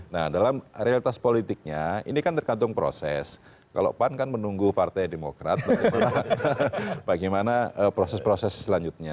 nah dalam realitas politiknya ini kan tergantung proses kalau pan kan menunggu partai demokrat bagaimana proses proses selanjutnya